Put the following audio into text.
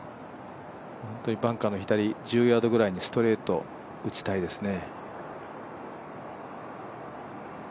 本当にバンカーの左、１０ヤードぐらいにストレート、打ちたいですね。